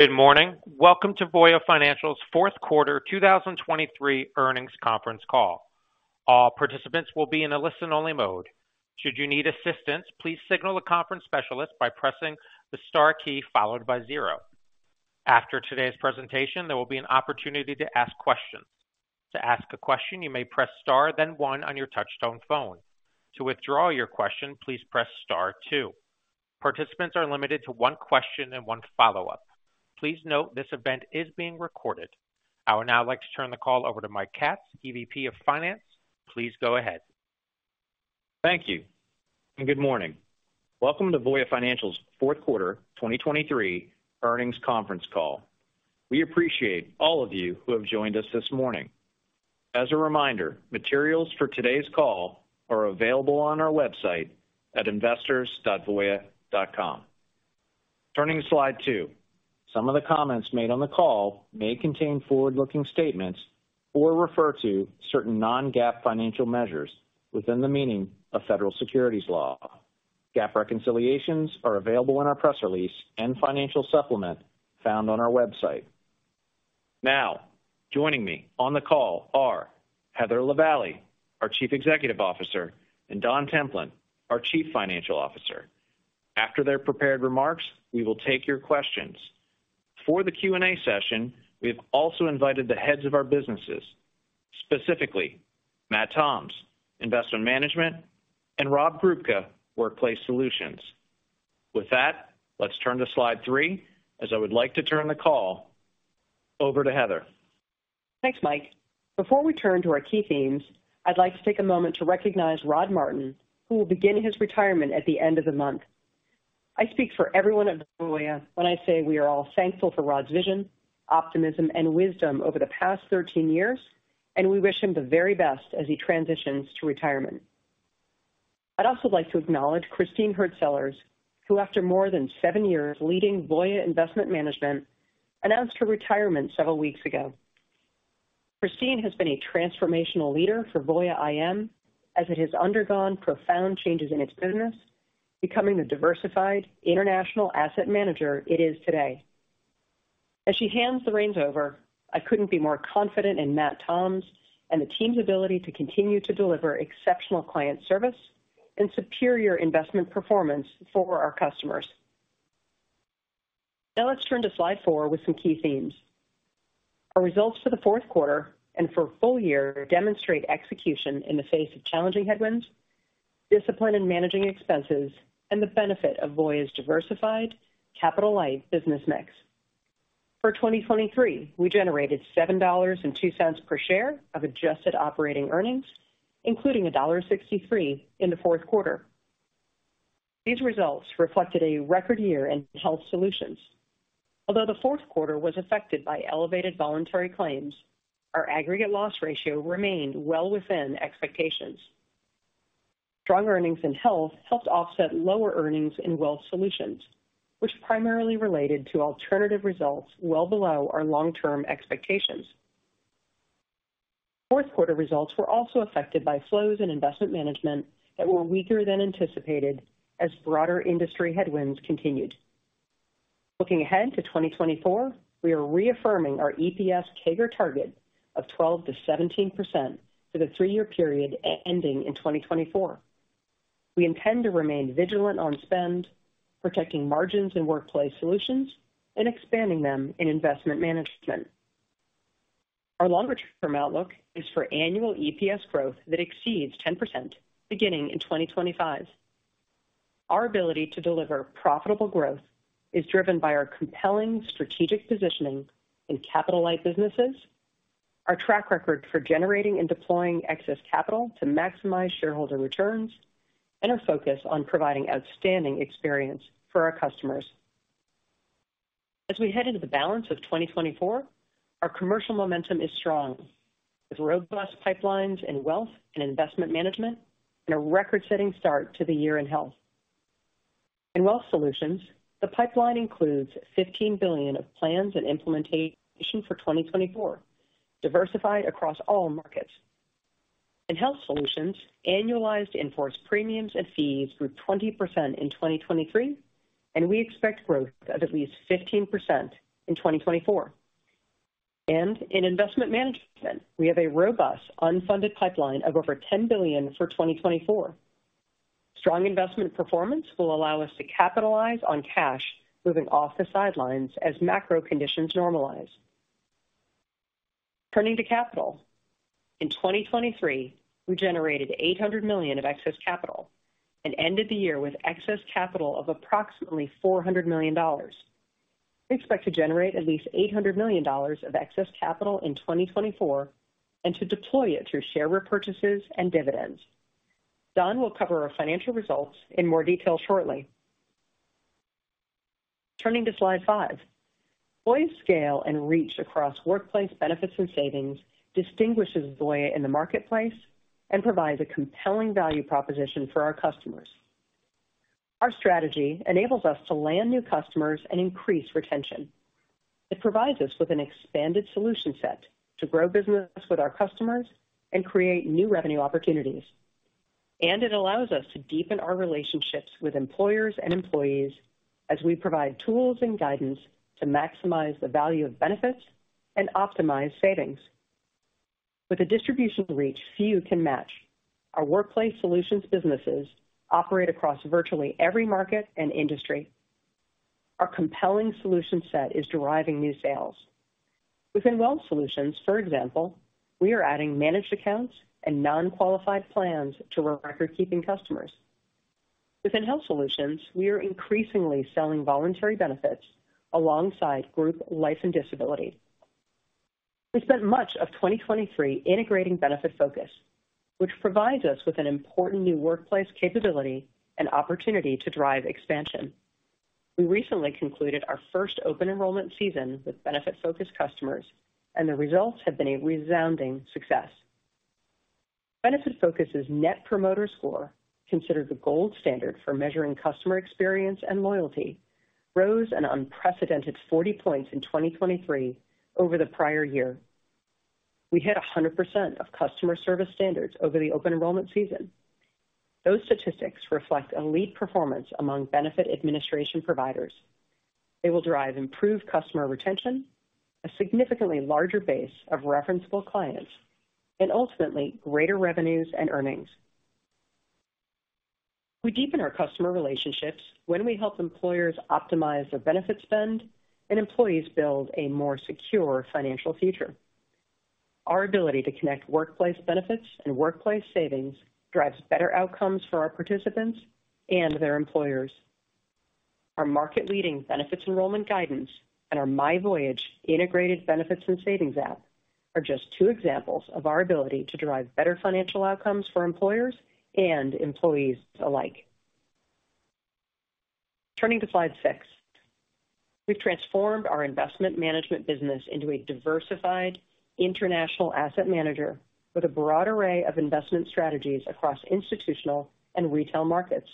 Good morning. Welcome to Voya Financial's fourth quarter 2023 earnings conference call. All participants will be in a listen-only mode. Should you need assistance, please signal the conference specialist by pressing the star key followed by zero. After today's presentation, there will be an opportunity to ask questions. To ask a question, you may press star then one on your touchtone phone. To withdraw your question, please press star two. Participants are limited to one question and one follow-up. Please note this event is being recorded. I would now like to turn the call over to Mike Katz, EVP of Finance. Please go ahead. Thank you, and good morning. Welcome to Voya Financial's fourth quarter 2023 earnings conference call. We appreciate all of you who have joined us this morning. As a reminder, materials for today's call are available on our website at investors.voya.com. Turning to slide two. Some of the comments made on the call may contain forward-looking statements or refer to certain non-GAAP financial measures within the meaning of federal securities law. GAAP reconciliations are available in our press release and financial supplement found on our website. Now, joining me on the call are Heather Lavallee, our Chief Executive Officer, and Don Templin, our Chief Financial Officer. After their prepared remarks, we will take your questions. For the Q and A session, we have also invited the heads of our businesses, specifically Matt Toms, Investment Management, and Rob Grubka, Workplace Solutions. With that, let's turn to slide three, as I would like to turn the call over to Heather. Thanks, Mike. Before we turn to our key themes, I'd like to take a moment to recognize Rod Martin, who will begin his retirement at the end of the month. I speak for everyone at Voya when I say we are all thankful for Rod's vision, optimism, and wisdom over the past 13 years, and we wish him the very best as he transitions to retirement. I'd also like to acknowledge Christine Hurtsellers, who, after more than seven years leading Voya Investment Management, announced her retirement several weeks ago. Christine has been a transformational leader for Voya IM as it has undergone profound changes in its business, becoming the diversified international asset manager it is today. As she hands the reins over, I couldn't be more confident in Matt Toms and the team's ability to continue to deliver exceptional client service and superior investment performance for our customers. Now let's turn to slide four with some key themes. Our results for the fourth quarter and for full year demonstrate execution in the face of challenging headwinds, discipline in managing expenses, and the benefit of Voya's diversified capital-light business mix. For 2023, we generated $7.02 per share of adjusted operating earnings, including $1.63 in the fourth quarter. These results reflected a record year in Health Solutions. Although the fourth quarter was affected by elevated voluntary claims, our Aggregate Loss Ratio remained well within expectations. Strong earnings in Health helped offset lower earnings in Wealth Solutions, which primarily related to alternative results well below our long-term expectations. Fourth quarter results were also affected by flows in Investment Management that were weaker than anticipated as broader industry headwinds continued. Looking ahead to 2024, we are reaffirming our EPS CAGR target of 12%-17% for the three-year period ending in 2024. We intend to remain vigilant on spend, protecting margins in Workplace Solutions and expanding them in Investment Management. Our longer-term outlook is for annual EPS growth that exceeds 10% beginning in 2025. Our ability to deliver profitable growth is driven by our compelling strategic positioning in capital-light businesses, our track record for generating and deploying excess capital to maximize shareholder returns, and our focus on providing outstanding experience for our customers. As we head into the balance of 2024, our commercial momentum is strong, with robust pipelines in Wealth and Investment Management and a record-setting start to the year in Health. In Wealth Solutions, the pipeline includes $15 billion of plans and implementation for 2024, diversified across all markets. In Health Solutions, annualized in-force premiums and fees grew 20% in 2023, and we expect growth of at least 15% in 2024. In Investment Management, we have a robust, unfunded pipeline of over $10 billion for 2024. Strong investment performance will allow us to capitalize on cash moving off the sidelines as macro conditions normalize. Turning to capital. In 2023, we generated $800 million of excess capital and ended the year with excess capital of approximately $400 million. We expect to generate at least $800 million of excess capital in 2024 and to deploy it through share repurchases and dividends. Don will cover our financial results in more detail shortly. Turning to slide five. Voya's scale and reach across workplace benefits and savings distinguishes Voya in the marketplace and provides a compelling value proposition for our customers. Our strategy enables us to land new customers and increase retention. It provides us with an expanded solution set to grow business with our customers and create new revenue opportunities, and it allows us to deepen our relationships with employers and employees as we provide tools and guidance to maximize the value of benefits and optimize savings. With a distribution reach few can match, our Workplace Solutions businesses operate across virtually every market and industry. Our compelling solution set is driving new sales. Within Wealth Solutions, for example, we are adding managed accounts and non-qualified plans to our record-keeping customers. Within Health Solutions, we are increasingly selling voluntary benefits alongside group life and disability. We spent much of 2023 integrating Benefitfocus, which provides us with an important new workplace capability and opportunity to drive expansion. We recently concluded our first open enrollment season with Benefitfocus customers, and the results have been a resounding success. Benefitfocus's Net Promoter Score, considered the gold standard for measuring customer experience and loyalty, rose an unprecedented 40 points in 2023 over the prior year. We hit 100% of customer service standards over the open enrollment season. Those statistics reflect elite performance among benefit administration providers. They will drive improved customer retention, a significantly larger base of referenceable clients, and ultimately, greater revenues and earnings. We deepen our customer relationships when we help employers optimize their benefit spend and employees build a more secure financial future. Our ability to connect workplace benefits and workplace savings drives better outcomes for our participants and their employers. Our market-leading benefits enrollment guidance and our myVoyage integrated benefits and savings app are just two examples of our ability to drive better financial outcomes for employers and employees alike. Turning to slide six. We've transformed our investment management business into a diversified international asset manager with a broad array of investment strategies across institutional and retail markets.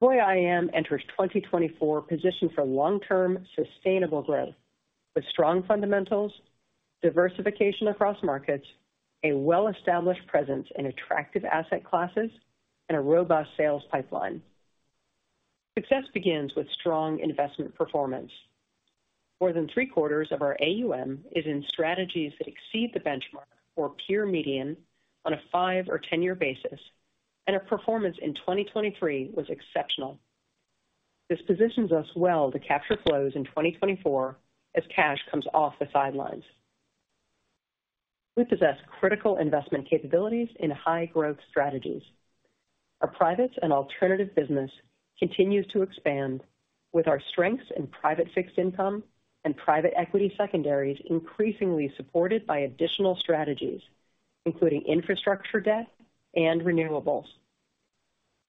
Voya IM enters 2024 positioned for long-term, sustainable growth, with strong fundamentals, diversification across markets, a well-established presence in attractive asset classes, and a robust sales pipeline. Success begins with strong investment performance. More than three-quarters of our AUM is in strategies that exceed the benchmark or peer median on a five or 10-year basis, and our performance in 2023 was exceptional. This positions us well to capture flows in 2024 as cash comes off the sidelines. We possess critical investment capabilities in high-growth strategies. Our privates and alternative business continues to expand, with our strengths in private fixed income and private equity secondaries increasingly supported by additional strategies, including infrastructure, debt, and renewables.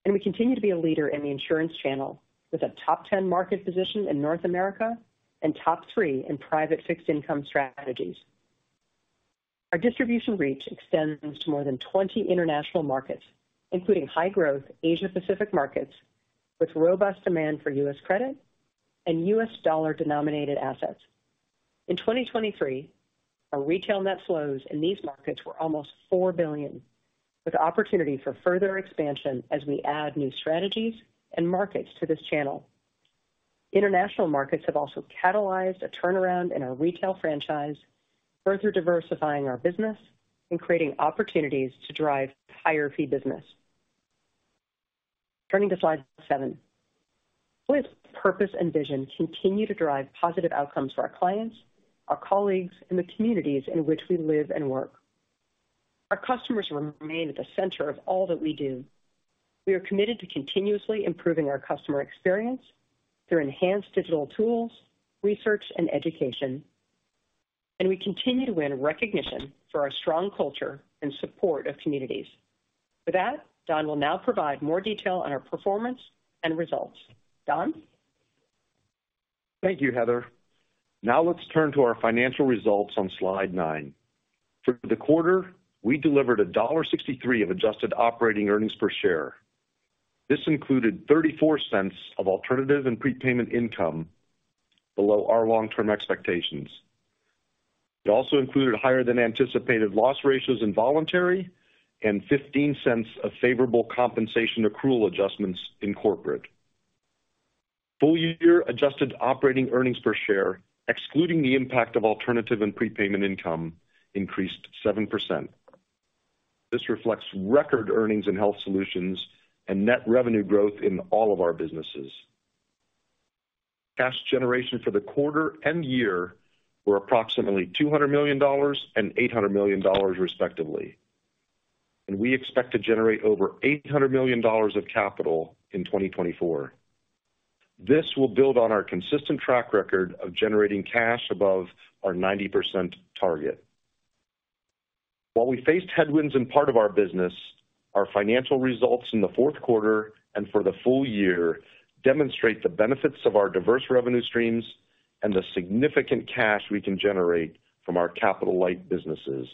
And we continue to be a leader in the insurance channel, with a top 10 market position in North America and top three in private fixed income strategies. Our distribution reach extends to more than 20 international markets, including high-growth Asia-Pacific markets, with robust demand for U.S. credit and U.S. dollar-denominated assets. In 2023, our retail net flows in these markets were almost $4 billion, with opportunity for further expansion as we add new strategies and markets to this channel. International markets have also catalyzed a turnaround in our retail franchise, further diversifying our business and creating opportunities to drive higher fee business. Turning to slide seven. Voya's purpose and vision continue to drive positive outcomes for our clients, our colleagues, and the communities in which we live and work. Our customers remain at the center of all that we do. We are committed to continuously improving our customer experience through enhanced digital tools, research, and education, and we continue to win recognition for our strong culture in support of communities. With that, Don will now provide more detail on our performance and results. Don? Thank you, Heather. Now let's turn to our financial results on slide nine. For the quarter, we delivered $1.63 of adjusted operating earnings per share. This included $0.34 of alternative and prepayment income below our long-term expectations. It also included higher than anticipated loss ratios in voluntary and $0.15 of favorable compensation accrual adjustments in Corporate. Full year adjusted operating earnings per share, excluding the impact of alternative and prepayment income, increased 7%. This reflects record earnings in Health solutions and net revenue growth in all of our businesses. Cash generation for the quarter and year were approximately $200 million and $800 million, respectively, and we expect to generate over $800 million of capital in 2024. This will build on our consistent track record of generating cash above our 90% target. While we faced headwinds in part of our business, our financial results in the fourth quarter and for the full year demonstrate the benefits of our diverse revenue streams and the significant cash we can generate from our capital-light businesses.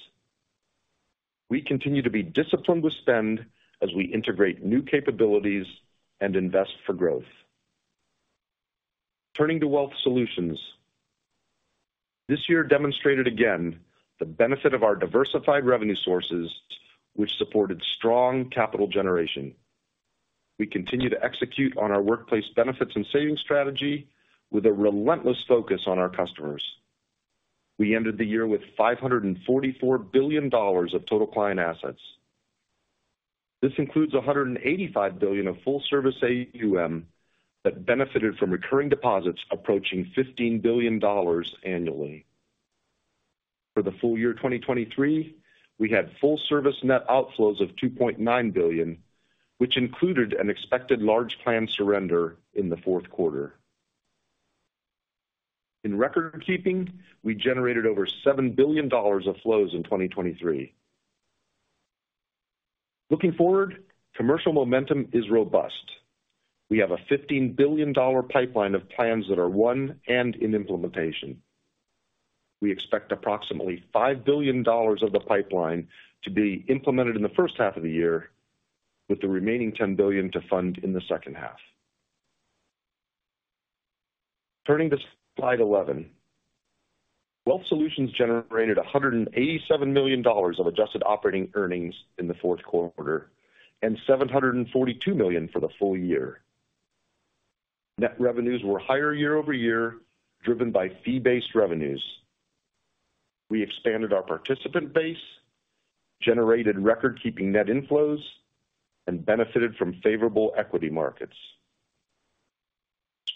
We continue to be disciplined with spend as we integrate new capabilities and invest for growth. Turning to Wealth Solutions. This year demonstrated again the benefit of our diversified revenue sources, which supported strong capital generation. We continue to execute on our workplace benefits and savings strategy with a relentless focus on our customers. We ended the year with $544 billion of total client assets. This includes $185 billion of full service AUM that benefited from recurring deposits approaching $15 billion annually. For the full year 2023, we had full service net outflows of $2.9 billion, which included an expected large plan surrender in the fourth quarter. In record keeping, we generated over $7 billion of flows in 2023. Looking forward, commercial momentum is robust. We have a $15 billion pipeline of plans that are won and in implementation. We expect approximately $5 billion of the pipeline to be implemented in the first half of the year, with the remaining $10 billion to fund in the second half. Turning to slide 11. Wealth Solutions generated $187 million of adjusted operating earnings in the fourth quarter and $742 million for the full year. Net revenues were higher year-over-year, driven by fee-based revenues. We expanded our participant base, generated record-keeping net inflows, and benefited from favorable equity markets.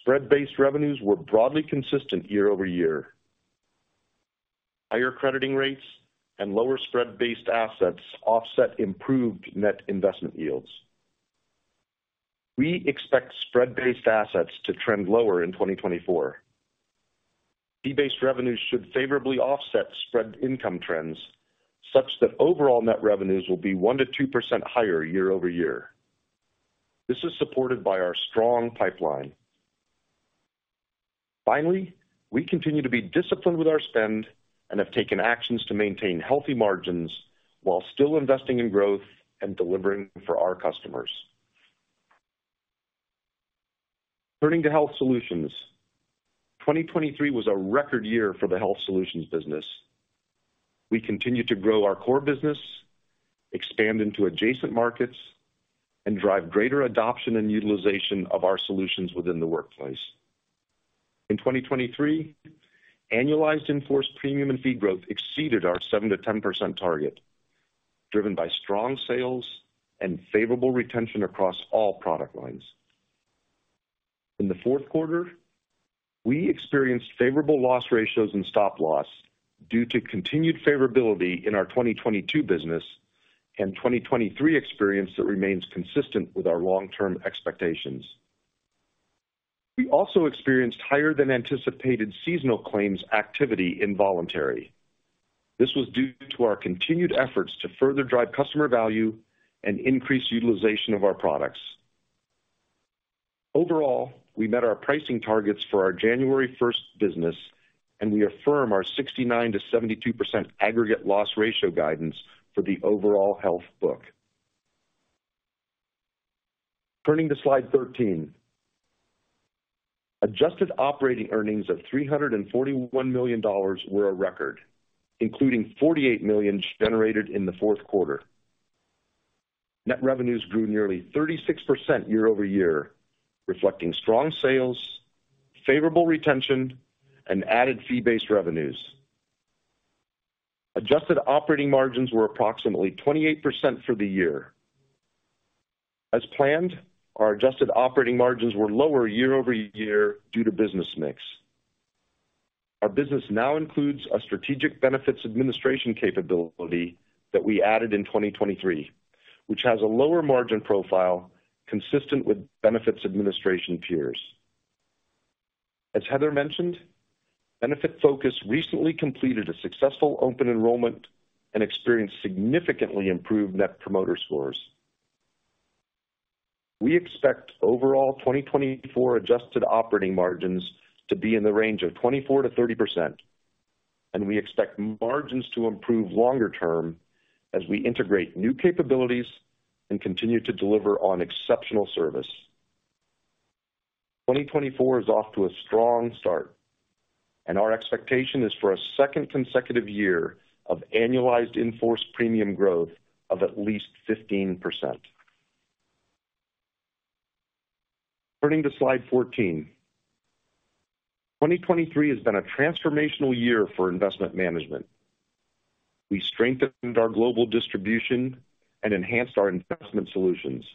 Spread-based revenues were broadly consistent year-over-year. Higher crediting rates and lower spread-based assets offset improved net investment yields. We expect spread-based assets to trend lower in 2024. Fee-based revenues should favorably offset spread income trends, such that overall net revenues will be 1%-2% higher year-over-year. This is supported by our strong pipeline. Finally, we continue to be disciplined with our spend and have taken actions to maintain Healthy margins while still investing in growth and delivering for our customers. Turning to Health Solutions. 2023 was a record year for the Health Solutions business. We continued to grow our core business, expand into adjacent markets, and drive greater adoption and utilization of our solutions within the workplace. In 2023, annualized in-force premium and fee growth exceeded our 7%-10% target, driven by strong sales and favorable retention across all product lines. In the fourth quarter, we experienced favorable loss ratios and stop-loss due to continued favorability in our 2022 business and 2023 experience that remains consistent with our long-term expectations. We also experienced higher than anticipated seasonal claims activity in voluntary. This was due to our continued efforts to further drive customer value and increase utilization of our products. Overall, we met our pricing targets for our January 1 business, and we affirm our 69%-72% Aggregate Loss Ratio guidance for the overall Health book. Turning to slide 13. Adjusted Operating Earnings of $341 million were a record, including $48 million generated in the fourth quarter. Net revenues grew nearly 36% year-over-year, reflecting strong sales, favorable retention, and added fee-based revenues. Adjusted operating margins were approximately 28% for the year. As planned, our adjusted operating margins were lower year-over-year due to business mix. Our business now includes a strategic benefits administration capability that we added in 2023, which has a lower margin profile consistent with benefits administration peers. As Heather mentioned, Benefitfocus recently completed a successful open enrollment and experienced significantly improved net promoter scores. We expect overall 2024 adjusted operating margins to be in the range of 24%-30%, and we expect margins to improve longer term as we integrate new capabilities and continue to deliver on exceptional service. 2024 is off to a strong start, and our expectation is for a second consecutive year of annualized in-force premium growth of at least 15%. Turning to slide 14. 2023 has been a transformational year for Investment Management. We strengthened our global distribution and enhanced our investment solutions.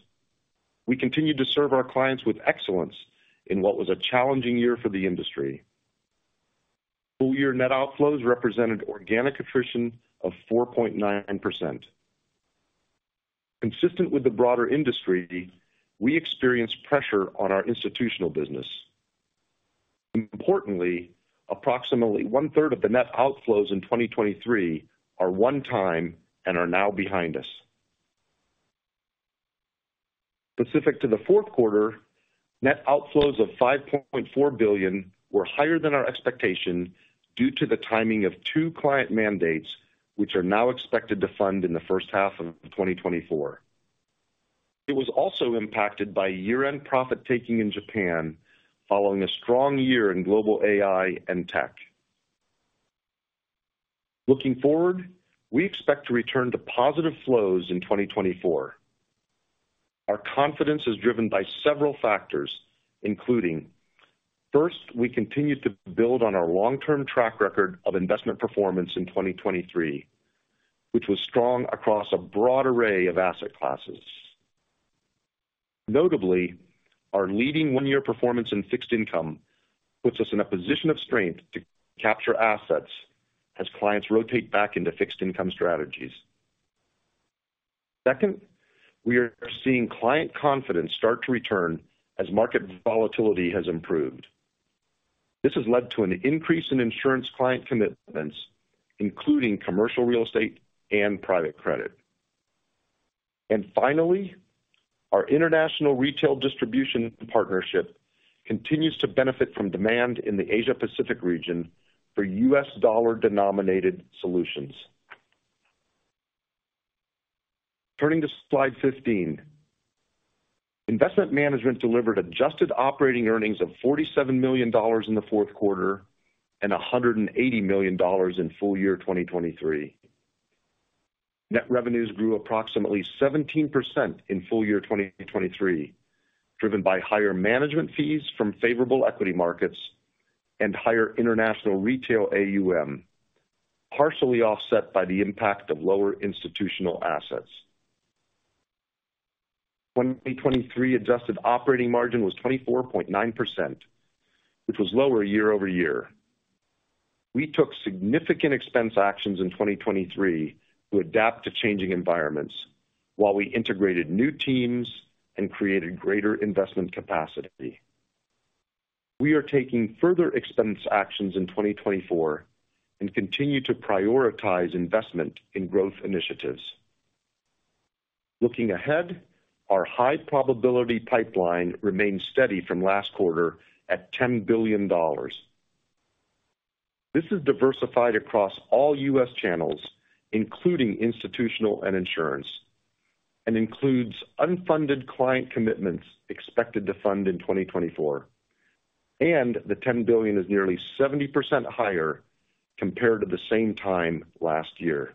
We continued to serve our clients with excellence in what was a challenging year for the industry. Full year net outflows represented organic attrition of 4.9%. Consistent with the broader industry, we experienced pressure on our institutional business. Importantly, approximately one-third of the net outflows in 2023 are one-time and are now behind us. Specific to the fourth quarter, net outflows of $5.4 billion were higher than our expectation due to the timing of two client mandates, which are now expected to fund in the first half of 2024. It was also impacted by year-end profit-taking in Japan, following a strong year in global AI and tech. Looking forward, we expect to return to positive flows in 2024. Our confidence is driven by several factors, including, first, we continued to build on our long-term track record of investment performance in 2023, which was strong across a broad array of asset classes. Notably, our leading one-year performance in fixed income puts us in a position of strength to capture assets as clients rotate back into fixed income strategies. Second, we are seeing client confidence start to return as market volatility has improved. This has led to an increase in insurance client commitments, including commercial real estate and private credit. And finally, our international retail distribution partnership continues to benefit from demand in the Asia-Pacific region for U.S. dollar-denominated solutions. Turning to slide 15. Investment Management delivered adjusted operating earnings of $47 million in the fourth quarter and $180 million in full-year 2023. Net revenues grew approximately 17% in full-year 2023, driven by higher management fees from favorable equity markets and higher international retail AUM, partially offset by the impact of lower institutional assets. 2023 adjusted operating margin was 24.9%, which was lower year-over-year. We took significant expense actions in 2023 to adapt to changing environments while we integrated new teams and created greater investment capacity. We are taking further expense actions in 2024 and continue to prioritize investment in growth initiatives. Looking ahead, our high probability pipeline remains steady from last quarter at $10 billion. This is diversified across all U.S. channels, including institutional and insurance, and includes unfunded client commitments expected to fund in 2024, and the $10 billion is nearly 70% higher compared to the same time last year.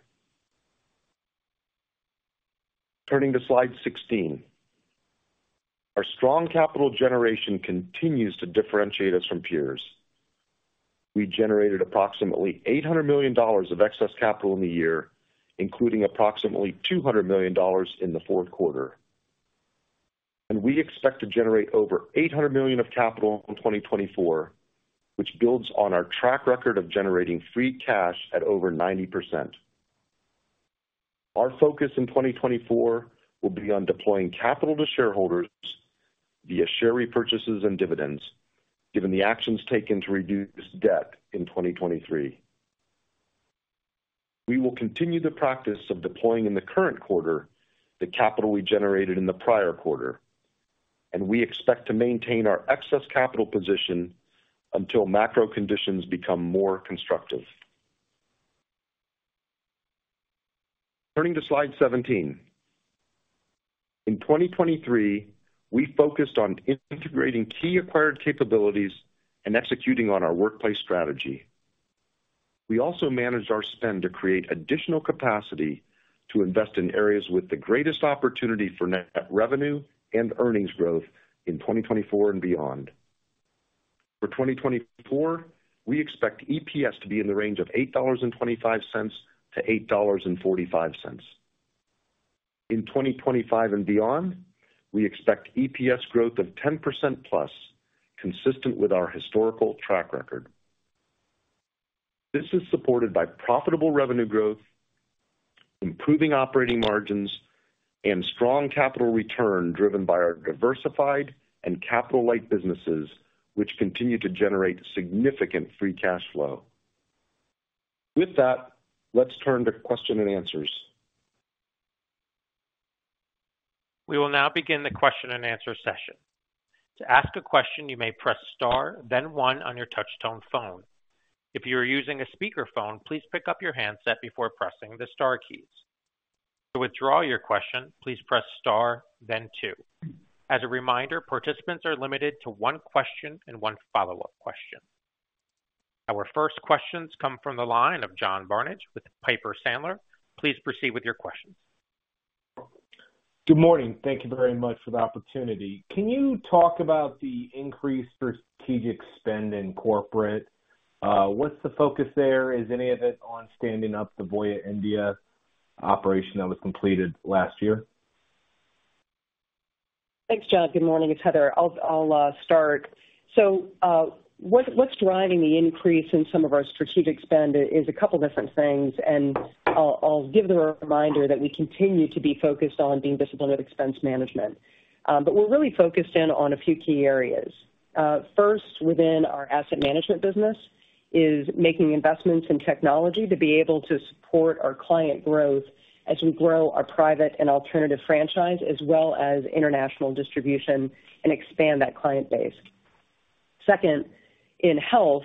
Turning to slide 16. Our strong capital generation continues to differentiate us from peers. We generated approximately $800 million of excess capital in the year, including approximately $200 million in the fourth quarter, and we expect to generate over $800 million of capital in 2024, which builds on our track record of generating free cash at over 90%. Our focus in 2024 will be on deploying capital to shareholders via share repurchases and dividends, given the actions taken to reduce debt in 2023. We will continue the practice of deploying in the current quarter the capital we generated in the prior quarter, and we expect to maintain our excess capital position until macro conditions become more constructive. Turning to slide 17. In 2023, we focused on integrating key acquired capabilities and executing on our workplace strategy. We also managed our spend to create additional capacity to invest in areas with the greatest opportunity for net revenue and earnings growth in 2024 and beyond. For 2024, we expect EPS to be in the range of $8.25-$8.45. In 2025 and beyond, we expect EPS growth of 10%+, consistent with our historical track record. This is supported by profitable revenue growth, improving operating margins, and strong capital return, driven by our diversified and capital-light businesses, which continue to generate significant free cash flow. With that, let's turn to question and answers. We will now begin the question-and-answer session. To ask a question, you may press star, then one on your touchtone phone. If you are using a speakerphone, please pick up your handset before pressing the star keys. To withdraw your question, please press star, then two. As a reminder, participants are limited to one question and one follow-up question. Our first questions come from the line of John Barnidge with Piper Sandler. Please proceed with your questions. Good morning. Thank you very much for the opportunity. Can you talk about the increased strategic spend in corporate? What's the focus there? Is any of it on standing up the Voya India operation that was completed last year? Thanks, John. Good morning, it's Heather. I'll start. So, what's driving the increase in some of our strategic spend is a couple different things, and I'll give the reminder that we continue to be focused on being disciplined at expense management. But we're really focused in on a few key areas. First, within our asset management business, is making investments in technology to be able to support our client growth as we grow our private and alternative franchise, as well as international distribution and expand that client base. Second, in Health,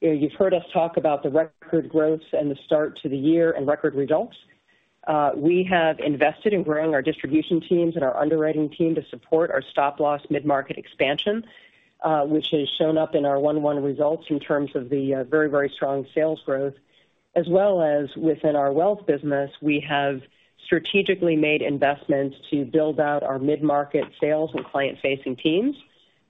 you've heard us talk about the record growth and the start to the year and record results. We have invested in growing our distribution teams and our underwriting team to support our stop-loss mid-market expansion, which has shown up in our Q1 results in terms of the very, very strong sales growth, as well as within our Wealth business, we have strategically made investments to build out our mid-market sales and client-facing teams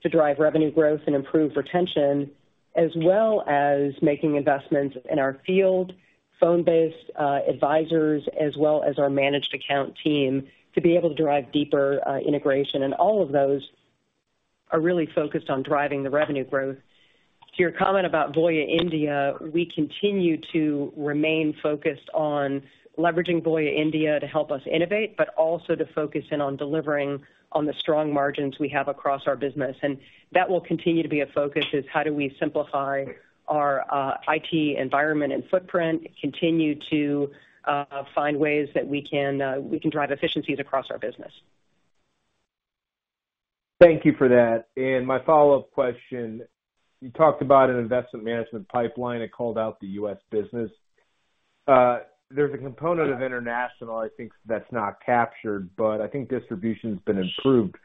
to drive revenue growth and improve retention, as well as making investments in our field, phone-based advisors, as well as our managed account team, to be able to drive deeper integration. All of those are really focused on driving the revenue growth. To your comment about Voya India, we continue to remain focused on leveraging Voya India to help us innovate, but also to focus in on delivering on the strong margins we have across our business. That will continue to be a focus, is how do we simplify our IT environment and footprint, continue to find ways that we can drive efficiencies across our business. Thank you for that. And my follow-up question, you talked about an investment management pipeline and called out the U.S. business. There's a component of international, I think, that's not captured, but I think distribution's been improved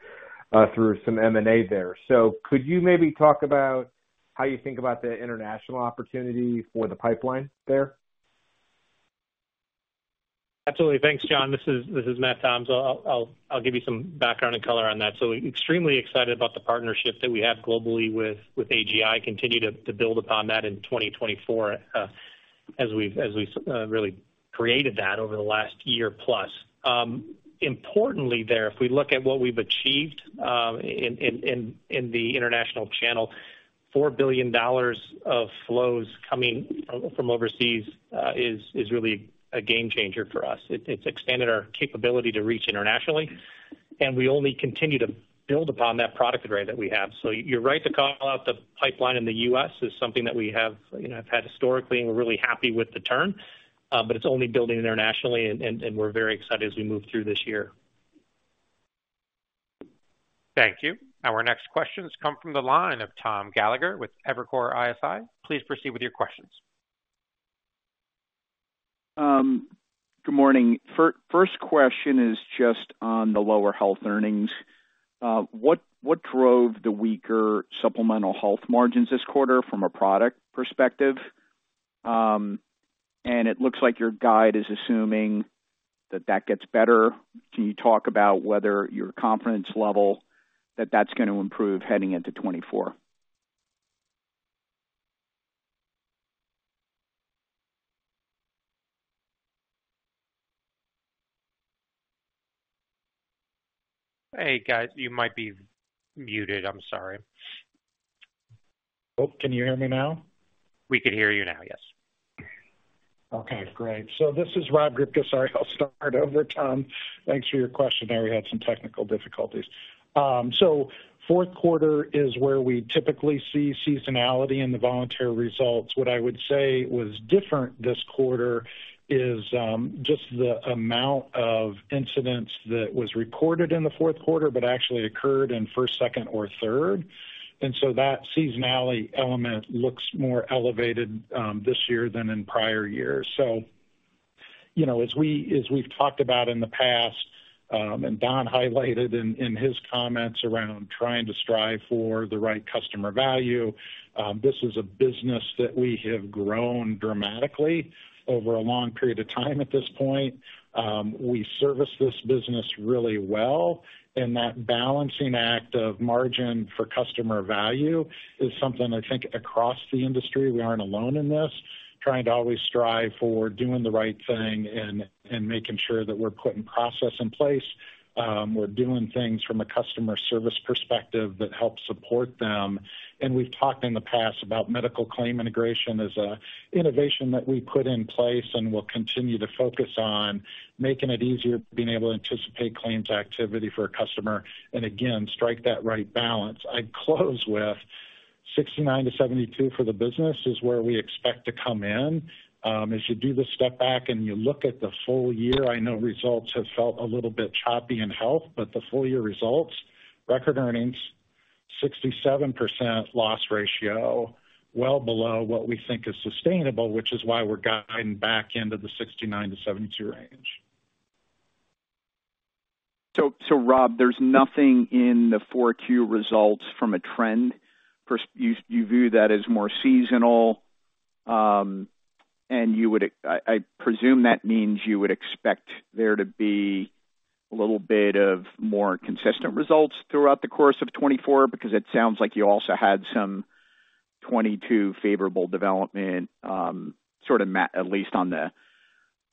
through some M&A there. So could you maybe talk about how you think about the international opportunity for the pipeline there? Absolutely. Thanks, John. This is Matt Toms. I'll give you some background and color on that. So extremely excited about the partnership that we have globally with AGI, continue to build upon that in 2024, as we've really created that over the last year plus. Importantly, if we look at what we've achieved in the international channel, $4 billion of flows coming from overseas is really a game changer for us. It's expanded our capability to reach internationally, and we only continue to build upon that product array that we have. So you're right to call out the pipeline in the U.S. is something that we have, you know, have had historically, and we're really happy with the turn, but it's only building internationally, and we're very excited as we move through this year. Thank you. Our next questions come from the line of Tom Gallagher with Evercore ISI. Please proceed with your questions. Good morning. First question is just on the lower Health earnings. What drove the weaker Supplemental Health margins this quarter from a product perspective? It looks like your guide is assuming that that gets better. Can you talk about whether your confidence level that that's going to improve heading into 2024? Hey, guys, you might be muted. I'm sorry. Oh, can you hear me now? We can hear you now. Yes. Okay, great. So this is Rob Grubka. Sorry, I'll start over, Tom. Thanks for your question. We had some technical difficulties. So fourth quarter is where we typically see seasonality in the voluntary results. What I would say was different this quarter is just the amount of incidents that was recorded in the fourth quarter, but actually occurred in first, second, or third. And so that seasonality element looks more elevated this year than in prior years. So, you know, as we've talked about in the past, and Don highlighted in his comments around trying to strive for the right customer value, this is a business that we have grown dramatically over a long period of time at this point. We service this business really well, and that balancing act of margin for customer value is something I think across the industry, we aren't alone in this, trying to always strive for doing the right thing and making sure that we're putting process in place. We're doing things from a customer service perspective that helps support them. We've talked in the past about medical claim integration as an innovation that we put in place and will continue to focus on making it easier, being able to anticipate claims activity for a customer, and again, strike that right balance. I'd close with 69%-72% for the business is where we expect to come in. As you do the step back and you look at the full year, I know results have felt a little bit choppy in Health, but the full-year results, record earnings, 67% loss ratio, well below what we think is sustainable, which is why we're guiding back into the 69%-72% range. So, Rob, there's nothing in the Q4 results from a trend perspective you view that as more seasonal, and you would—I presume that means you would expect there to be a little bit more consistent results throughout the course of 2024, because it sounds like you also had some 2022 favorable development, sort of—at least on the,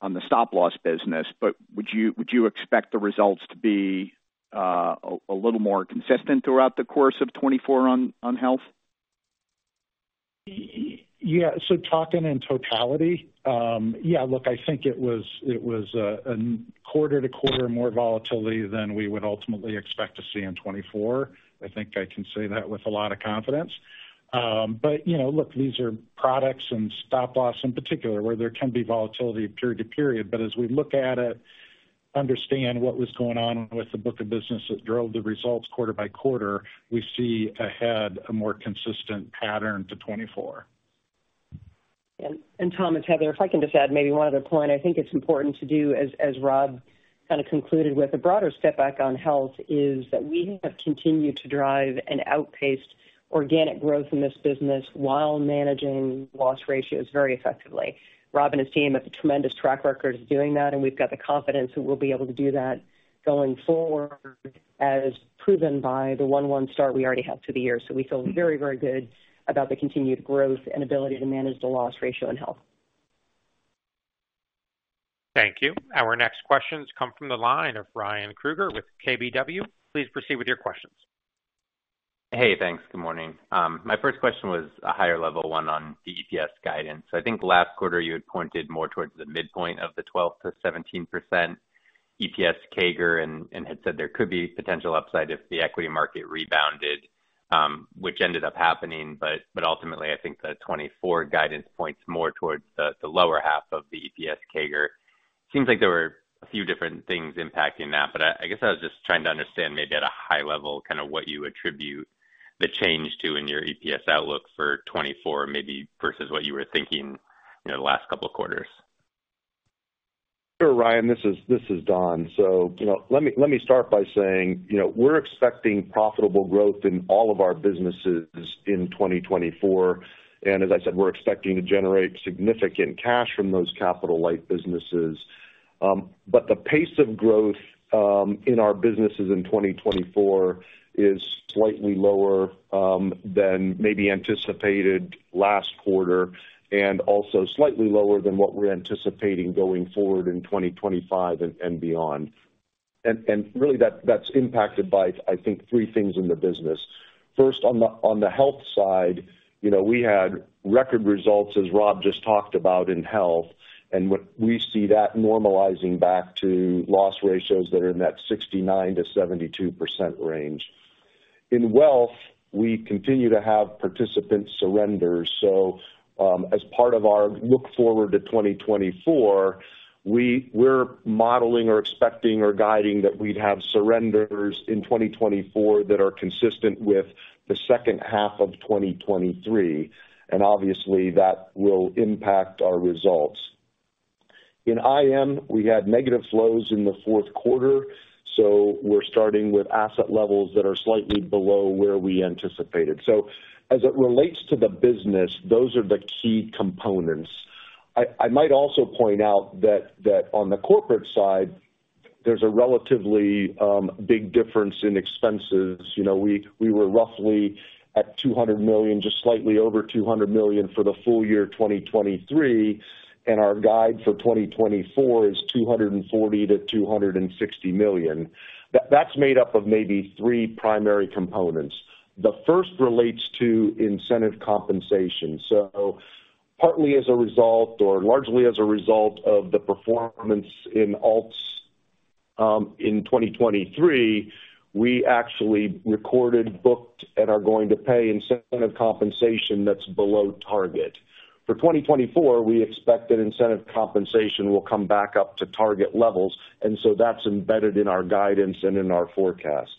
on the stop-loss business. But would you expect the results to be a little more consistent throughout the course of 2024 on, on Health? Yeah. So talking in totality, yeah, look, I think it was a quarter-over-quarter more volatility than we would ultimately expect to see in 2024. I think I can say that with a lot of confidence. But, you know, look, these are products and Stop Loss in particular, where there can be volatility period to period. But as we look at it, understand what was going on with the book of business that drove the results quarter by quarter. We see ahead a more consistent pattern to 2024. And Tom and Heather, if I can just add maybe one other point. I think it's important to do, as Rob kind of concluded with, a broader step back on Health is that we have continued to drive an outpaced organic growth in this business while managing loss ratios very effectively. Rob and his team have a tremendous track record of doing that, and we've got the confidence that we'll be able to do that going forward, as proven by the 1/1 start we already have to the year. So we feel very, very good about the continued growth and ability to manage the loss ratio in Health. Thank you. Our next questions come from the line of Ryan Krueger with KBW. Please proceed with your questions. Hey, thanks. Good morning. My first question was a higher level one on the EPS guidance. I think last quarter you had pointed more towards the midpoint of the 12%-17% EPS CAGR and had said there could be potential upside if the equity market rebounded, which ended up happening. But ultimately, I think the 2024 guidance points more towards the lower half of the EPS CAGR. Seems like there were a few different things impacting that, but I guess I was just trying to understand, maybe at a high level, kind of what you attribute the change to in your EPS outlook for 2024, maybe versus what you were thinking, you know, the last couple of quarters. Sure, Ryan, this is Don. So, you know, let me start by saying, you know, we're expecting profitable growth in all of our businesses in 2024, and as I said, we're expecting to generate significant cash from those capital light businesses. But the pace of growth in our businesses in 2024 is slightly lower than maybe anticipated last quarter, and also slightly lower than what we're anticipating going forward in 2025 and beyond. And really, that's impacted by, I think, three things in the business. First, on the Health side, you know, we had record results, as Rob just talked about in Health, and what we see that normalizing back to loss ratios that are in that 69%-72% range. In Wealth, we continue to have participant surrenders. So, as part of our look forward to 2024, we're modeling or expecting or guiding that we'd have surrenders in 2024 that are consistent with the second half of 2023, and obviously that will impact our results. In IM, we had negative flows in the fourth quarter, so we're starting with asset levels that are slightly below where we anticipated. So as it relates to the business, those are the key components. I might also point out that on the corporate side, there's a relatively big difference in expenses. You know, we were roughly at $200 million, just slightly over $200 million for the full year, 2023, and our guide for 2024 is $240 million-$260 million. That's made up of maybe three primary components. The first relates to incentive compensation. So partly as a result, or largely as a result of the performance in alts, in 2023, we actually recorded, booked, and are going to pay incentive compensation that's below target. For 2024, we expect that incentive compensation will come back up to target levels, and so that's embedded in our guidance and in our forecast.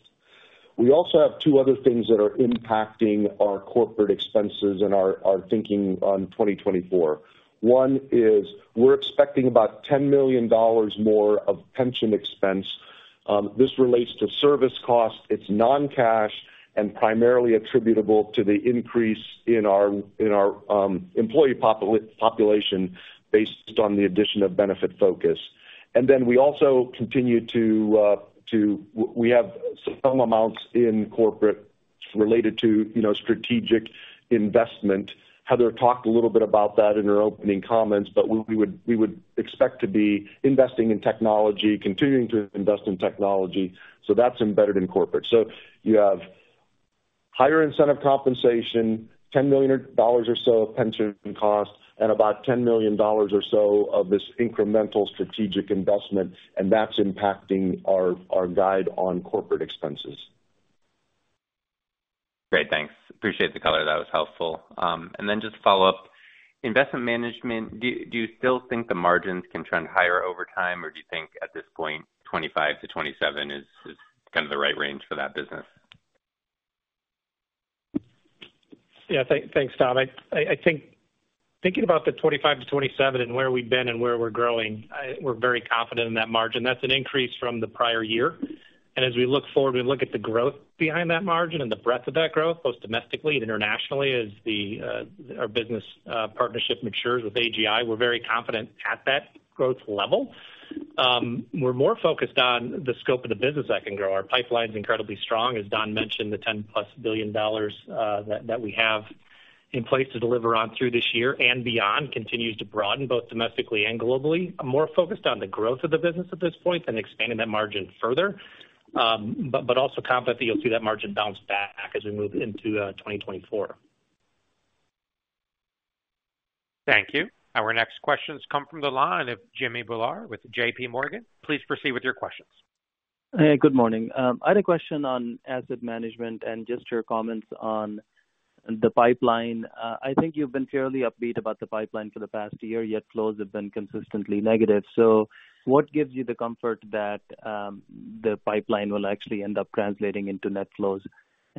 We also have two other things that are impacting our corporate expenses and our thinking on 2024. One is we're expecting about $10 million more of pension expense. This relates to service costs. It's non-cash and primarily attributable to the increase in our employee population based on the addition of Benefitfocus. And then we also have some amounts in corporate related to, you know, strategic investment. Heather talked a little bit about that in her opening comments, but we would, we would expect to be investing in technology, continuing to invest in technology. So that's embedded in corporate. So you have higher incentive compensation, $10 million or so of pension costs, and about $10 million or so of this incremental strategic investment, and that's impacting our, our guide on corporate expenses. Great, thanks. Appreciate the color. That was helpful. And then just follow up. Investment Management, do you still think the margins can trend higher over time, or do you think at this point, 25%-27% is kind of the right range for that business? Yeah, thanks, Tom. I think thinking about the 25-27 and where we've been and where we're growing, we're very confident in that margin. That's an increase from the prior year. And as we look forward, we look at the growth behind that margin and the breadth of that growth, both domestically and internationally, as our business partnership matures with AGI, we're very confident at that growth level. We're more focused on the scope of the business that can grow. Our pipeline's incredibly strong. As Don mentioned, the $10+ billion that we have in place to deliver on through this year and beyond continues to broaden, both domestically and globally. I'm more focused on the growth of the business at this point than expanding that margin further, but, but also confident that you'll see that margin bounce back as we move into 2024. Thank you. Our next questions come from the line of Jimmy Bhullar with JPMorgan. Please proceed with your questions. Hey, good morning. I had a question on asset management and just your comments on the pipeline. I think you've been fairly upbeat about the pipeline for the past year, yet flows have been consistently negative. So what gives you the comfort that the pipeline will actually end up translating into net flows?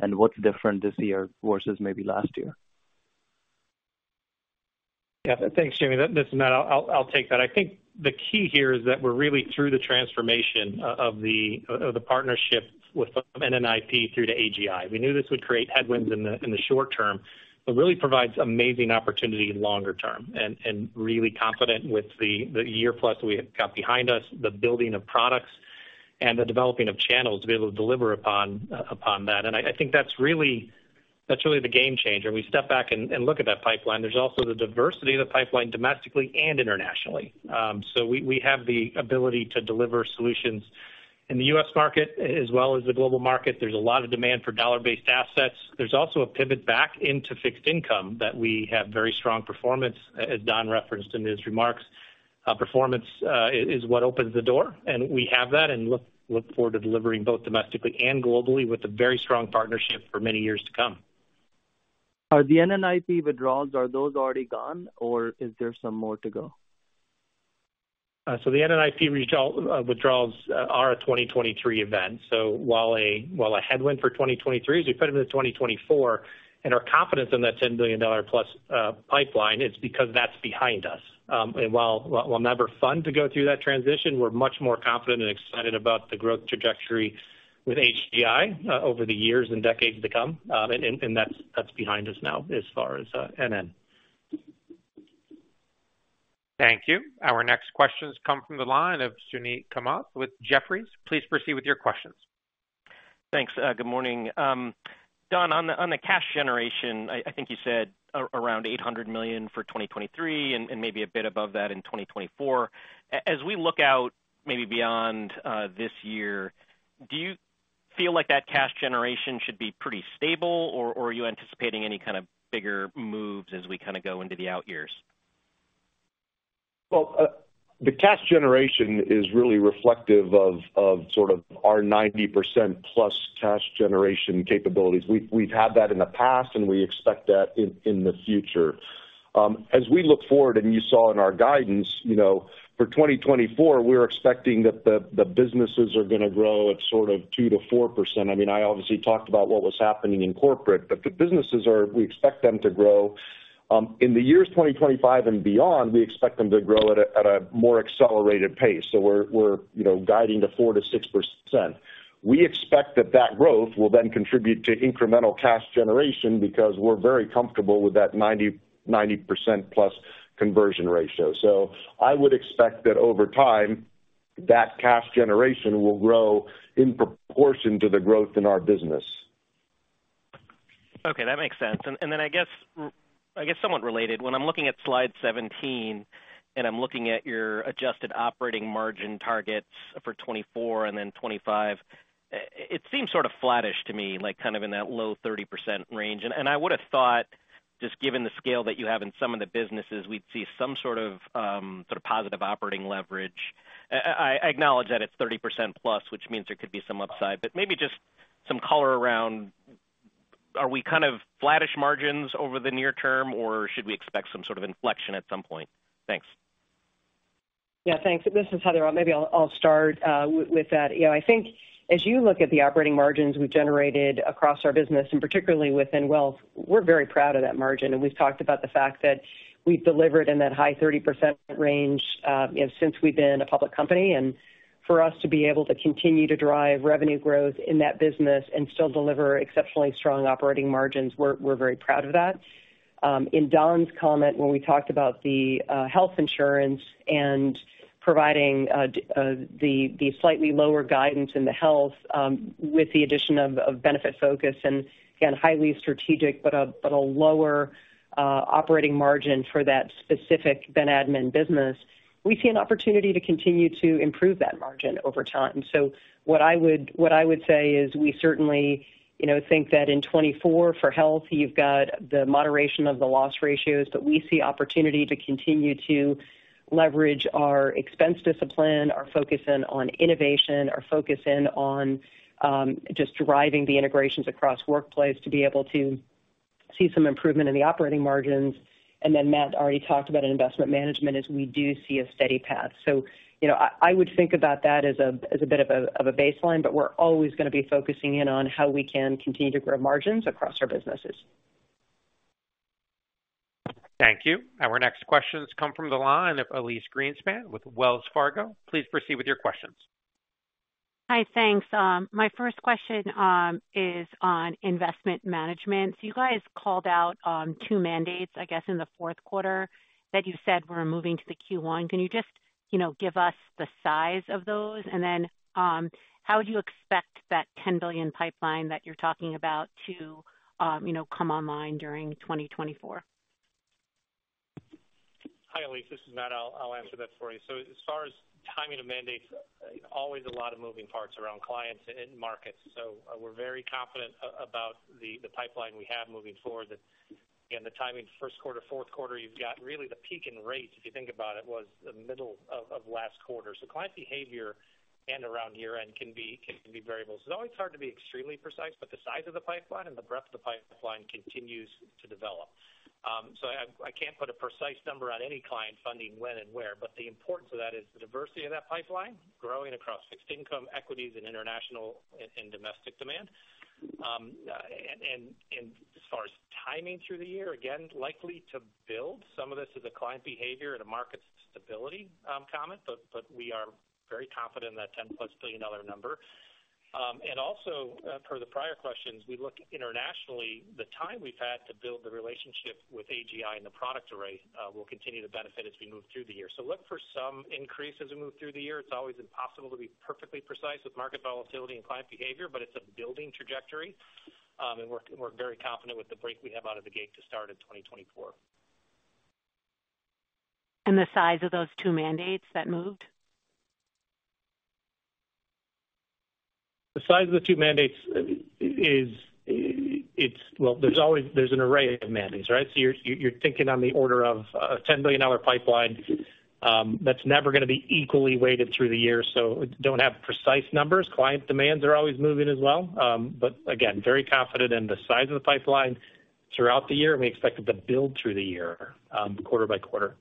And what's different this year versus maybe last year? Yeah, thanks, Jimmy. This is Matt. I'll take that. I think the key here is that we're really through the transformation of the partnership with NNIP through to AGI. We knew this would create headwinds in the short term, but really provides amazing opportunity longer term and really confident with the year plus we have got behind us, the building of products and the developing of channels to be able to deliver upon that. And I think that's really the game changer. We step back and look at that pipeline. There's also the diversity of the pipeline, domestically and internationally. So we have the ability to deliver solutions in the U.S. market as well as the global market. There's a lot of demand for dollar-based assets. There's also a pivot back into fixed income that we have very strong performance, as Don referenced in his remarks. Performance is what opens the door, and we have that and look forward to delivering both domestically and globally with a very strong partnership for many years to come. Are the NNIP withdrawals, are those already gone or is there some more to go? So the NNIP results withdrawals are a 2023 event. So while a headwind for 2023, as we put them into 2024, and our confidence in that $10 billion plus pipeline, it's because that's behind us. And while never fun to go through that transition, we're much more confident and excited about the growth trajectory with AGI over the years and decades to come. And that's behind us now as far as NNIP. Thank you. Our next questions come from the line of Suneet Kamat with Jefferies. Please proceed with your questions. Thanks, good morning. Don, on the cash generation, I think you said around $800 million for 2023 and maybe a bit above that in 2024. As we look out, maybe beyond this year, do you feel like that cash generation should be pretty stable, or are you anticipating any kind of bigger moves as we kind of go into the out years? Well, the cash generation is really reflective of, of sort of our 90%+ cash generation capabilities. We've, we've had that in the past, and we expect that in, in the future. As we look forward, and you saw in our guidance, you know, for 2024, we're expecting that the, the businesses are going to grow at sort of 2%-4%. I mean, I obviously talked about what was happening in corporate, but the businesses are. We expect them to grow. In the years 2025 and beyond, we expect them to grow at a, at a more accelerated pace. So we're, we're, you know, guiding to 4%-6%. We expect that, that growth will then contribute to incremental cash generation because we're very comfortable with that 90%+ conversion ratio. I would expect that over time, that cash generation will grow in proportion to the growth in our business. Okay, that makes sense. And then I guess somewhat related, when I'm looking at slide 17 and I'm looking at your adjusted operating margin targets for 2024 and then 2025, it seems sort of flattish to me, like kind of in that low 30% range. And I would have thought, just given the scale that you have in some of the businesses, we'd see some sort of sort of positive operating leverage. I acknowledge that it's 30%+, which means there could be some upside, but maybe just some color around, are we kind of flattish margins over the near term, or should we expect some sort of inflection at some point? Thanks. Yeah, thanks. This is Heather. Maybe I'll start with that. You know, I think as you look at the operating margins we've generated across our business, and particularly within Wealth, we're very proud of that margin, and we've talked about the fact that we've delivered in that high 30% range, you know, since we've been a public company. And for us to be able to continue to drive revenue growth in that business and still deliver exceptionally strong operating margins, we're very proud of that. In Don's comment, when we talked about the Health insurance and providing the slightly lower guidance in the Health, with the addition of Benefitfocus, and again, highly strategic, but a lower operating margin for that specific benefits admin business, we see an opportunity to continue to improve that margin over time. So what I would say is we certainly, you know, think that in 2024 for Health, you've got the moderation of the loss ratios, but we see opportunity to continue to leverage our expense discipline, our focus in on innovation, our focus in on just driving the integrations across workplace to be able to see some improvement in the operating margins. And then Matt already talked about investment management as we do see a steady path. You know, I would think about that as a bit of a baseline, but we're always going to be focusing in on how we can continue to grow margins across our businesses. Thank you. Our next questions come from the line of Elyse Greenspan with Wells Fargo. Please proceed with your questions. Hi, thanks. My first question is on investment management. So you guys called out two mandates, I guess, in the fourth quarter, that you said were moving to the Q1. Can you just, you know, give us the size of those? And then, how would you expect that $10 billion pipeline that you're talking about to, you know, come online during 2024? Hi, Elyse, this is Matt. I'll answer that for you. So as far as timing of mandates, always a lot of moving parts around clients and markets, so we're very confident about the pipeline we have moving forward. Again, the timing, first quarter, fourth quarter, you've got really the peak in rates, if you think about it, was the middle of last quarter. So client behavior around year-end can be variable. It's always hard to be extremely precise, but the size of the pipeline and the breadth of the pipeline continues to develop. So I can't put a precise number on any client funding when and where, but the importance of that is the diversity of that pipeline, growing across fixed income, equities, and international and domestic demand. As far as timing through the year, again, likely to build. Some of this is a client behavior and a market stability comment, but we are very confident in that $10+ billion number. Per the prior questions, we look internationally, the time we've had to build the relationship with AGI and the product array will continue to benefit as we move through the year. So look for some increase as we move through the year. It's always impossible to be perfectly precise with market volatility and client behavior, but it's a building trajectory. We're very confident with the break we have out of the gate to start in 2024. And the size of those two mandates that moved? The size of the two mandates is, it's – well, there's always an array of mandates, right? So you're thinking on the order of a $10 billion pipeline, that's never gonna be equally weighted through the year, so we don't have precise numbers. Client demands are always moving as well. But again, very confident in the size of the pipeline throughout the year, and we expect it to build through the year, quarter by quarter.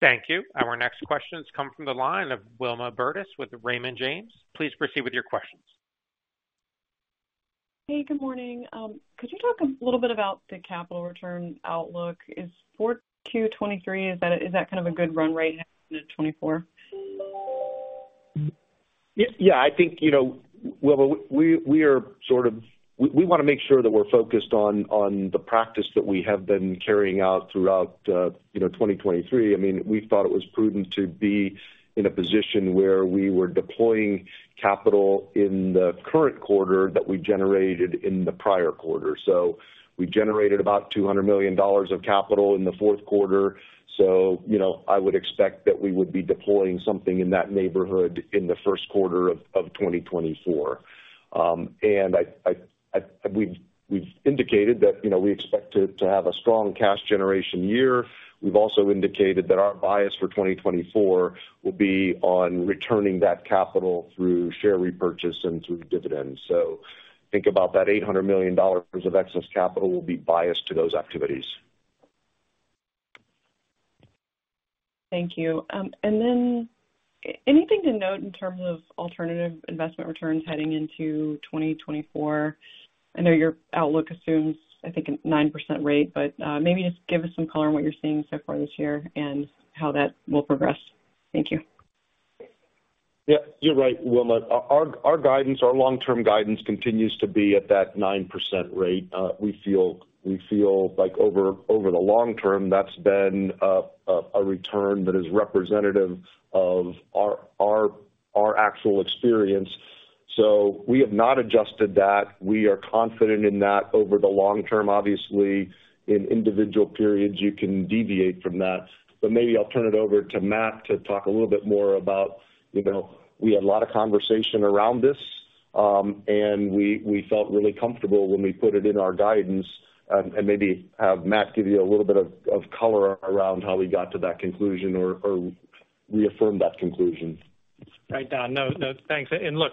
Thank you. Our next question has come from the line of Wilma Burdis with Raymond James. Please proceed with your questions. Hey, good morning. Could you talk a little bit about the capital return outlook? Is 4Q 2023, is that, is that kind of a good run rate into 2024? Yeah, I think, you know, Wilma, we are sort of, we want to make sure that we're focused on the practice that we have been carrying out throughout, you know, 2023. I mean, we thought it was prudent to be in a position where we were deploying capital in the current quarter that we generated in the prior quarter. So we generated about $200 million of capital in the fourth quarter. So, you know, I would expect that we would be deploying something in that neighborhood in the first quarter of 2024. And we've indicated that, you know, we expect to have a strong cash generation year. We've also indicated that our bias for 2024 will be on returning that capital through share repurchase and through dividends. So think about that $800 million of excess capital will be biased to those activities. Thank you. And then anything to note in terms of alternative investment returns heading into 2024? I know your outlook assumes, I think, a 9% rate, but, maybe just give us some color on what you're seeing so far this year and how that will progress. Thank you. Yeah, you're right, Wilma. Our guidance, our long-term guidance continues to be at that 9% rate. We feel like over the long term, that's been a return that is representative of our actual experience. So we have not adjusted that. We are confident in that over the long term. Obviously, in individual periods, you can deviate from that. But maybe I'll turn it over to Matt to talk a little bit more about, you know, we had a lot of conversation around this, and we felt really comfortable when we put it in our guidance. And maybe have Matt give you a little bit of color around how we got to that conclusion or reaffirm that conclusion. Right, Don. No, no, thanks. And look,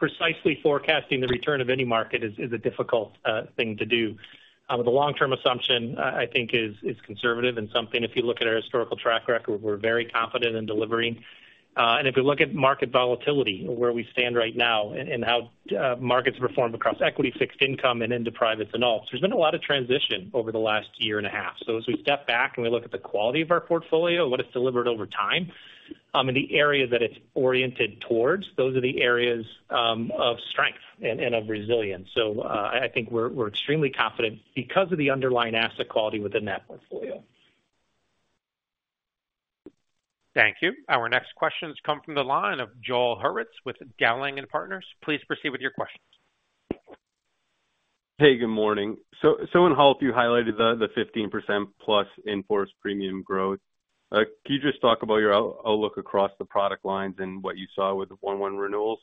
precisely forecasting the return of any market is a difficult thing to do. The long-term assumption, I think, is conservative and something, if you look at our historical track record, we're very confident in delivering. And if you look at market volatility, where we stand right now and how markets perform across equity, fixed income, and into privates and alts, there's been a lot of transition over the last year and a half. So as we step back and we look at the quality of our portfolio, what it's delivered over time, and the area that it's oriented towards, those are the areas of strength and of resilience. So, I think we're extremely confident because of the underlying asset quality within that portfolio. Thank you. Our next question has come from the line of Joel Hurwitz with Dowling & Partners. Please proceed with your questions. Hey, good morning. So, in Health, you highlighted the 15%+ in-force premium growth. Can you just talk about your outlook across the product lines and what you saw with the large renewals?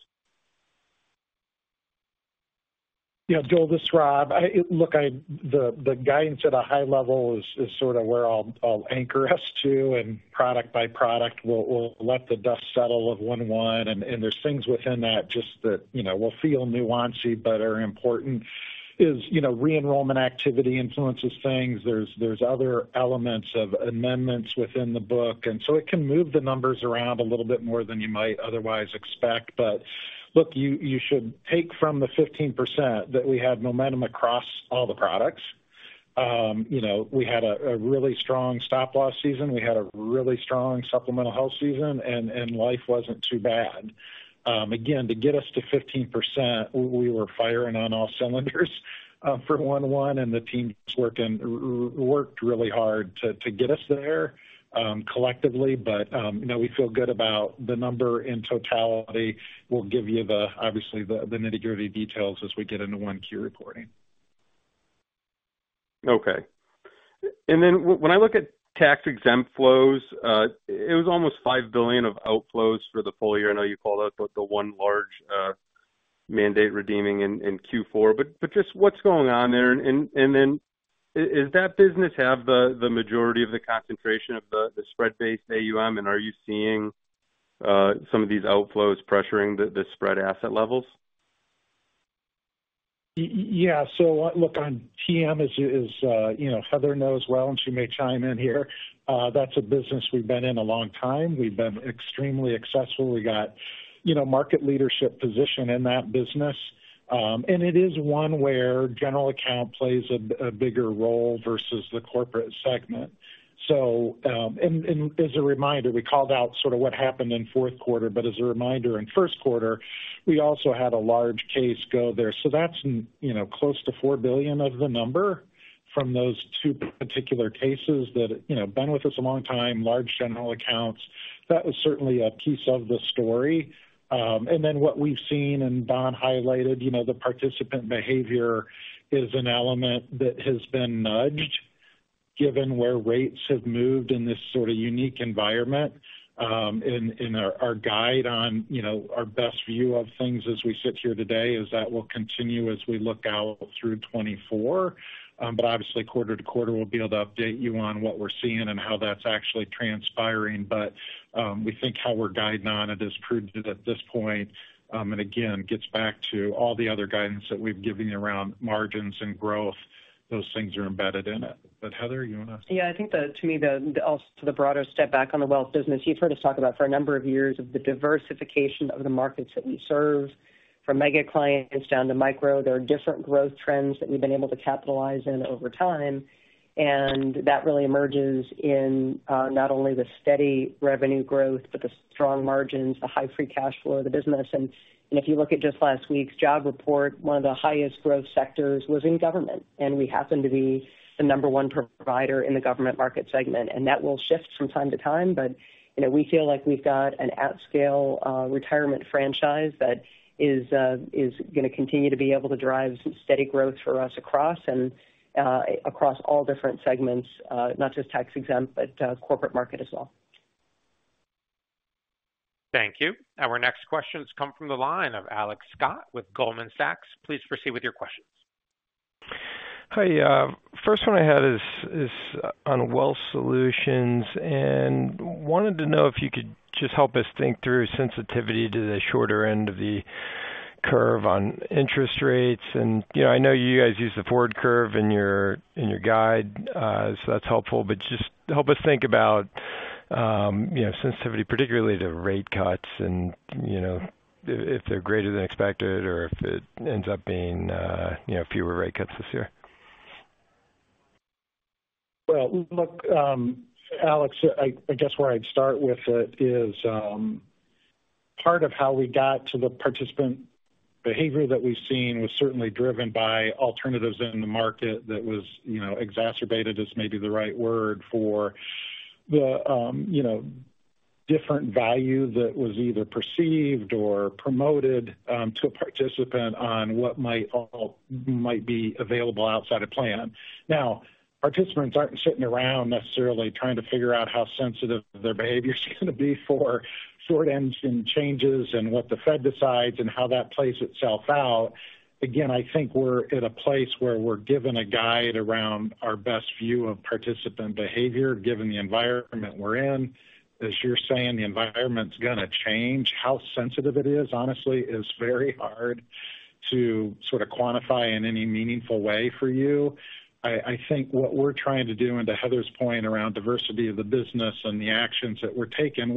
Yeah, Joel, this is Rob. Look, the guidance at a high level is sort of where I'll anchor us to, and product by product, we'll let the dust settle of 1/1, and there's things within that just that, you know, will feel nuanced but are important is, you know, re-enrollment activity influences things. There's other elements of amendments within the book, and so it can move the numbers around a little bit more than you might otherwise expect. But look, you should take from the 15% that we had momentum across all the products. You know, we had a really strong stop loss season. We had a really strong supplemental Health season, and life wasn't too bad. Again, to get us to 15%, we were firing on all cylinders for 1Q, and the team worked really hard to, to get us there collectively, but, you know, we feel good about the number. In totality, we'll give you the, obviously, the, the nitty-gritty details as we get into 1Q reporting. Okay. And then when I look at Tax-Exempt flows, it was almost $5 billion of outflows for the full year. I know you called out the one large mandate redeeming in Q4, but just what's going on there? And then is that business have the majority of the concentration of the spread-based AUM, and are you seeing some of these outflows pressuring the spread asset levels? Yeah. So, look, on TM is, you know, Heather knows well, and she may chime in here. That's a business we've been in a long time. We've been extremely successful. We got, you know, market leadership position in that business, and it is one where general account plays a bigger role versus the corporate segment. So, and as a reminder, we called out sort of what happened in fourth quarter, but as a reminder, in first quarter, we also had a large case go there. So that's, you know, close to $4 billion of the number from those two particular cases that, you know, been with us a long time, large general accounts. That was certainly a piece of the story. And then what we've seen, and Don highlighted, you know, the participant behavior is an element that has been nudged, given where rates have moved in this sort of unique environment. And our guide on, you know, our best view of things as we sit here today is that will continue as we look out through 2024. But obviously, quarter to quarter, we'll be able to update you on what we're seeing and how that's actually transpiring. But we think how we're guiding on it is prudent at this point, and again, gets back to all the other guidance that we've given you around margins and growth. Those things are embedded in it. But, Heather, you want to. Yeah, I think, to me, also to the broader step back on the Wealth business, you've heard us talk about for a number of years the diversification of the markets that we serve, from mega clients down to micro. There are different growth trends that we've been able to capitalize in over time, and that really emerges in not only the steady revenue growth, but the strong margins, the high free cash flow of the business. And if you look at just last week's job report, one of the highest growth sectors was in government, and we happen to be the number one provider in the government market segment. That will shift from time to time, but, you know, we feel like we've got an at-scale, retirement franchise that is going to continue to be able to drive steady growth for us across and, across all different segments, not just Tax-Exempt, but, corporate market as well. Thank you. Our next question has come from the line of Alex Scott with Goldman Sachs. Please proceed with your questions. Hi, first one I had is on Wealth Solutions, and wanted to know if you could just help us think through sensitivity to the shorter end of the curve on interest rates. And, you know, I know you guys use the forward curve in your guide, so that's helpful. But just help us think about, you know, sensitivity, particularly to rate cuts and, you know, if they're greater than expected or if it ends up being, you know, fewer rate cuts this year. Well, look, Alex, I, I guess where I'd start with it is, part of how we got to the participant behavior that we've seen was certainly driven by alternatives in the market that was, you know, exacerbated, is maybe the right word for the, you know, different value that was either perceived or promoted, to a participant on what might be available outside of plan. Now, participants aren't sitting around necessarily trying to figure out how sensitive their behavior is going to be for short ends and changes and what the Fed decides and how that plays itself out. Again, I think we're at a place where we're given a guide around our best view of participant behavior, given the environment we're in. As you're saying, the environment's going to change. How sensitive it is, honestly, is very hard to sort of quantify in any meaningful way for you. I think what we're trying to do, and to Heather's point around diversity of the business and the actions that we're taking,